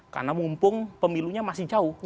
karena mumpung pemilunya masih jauh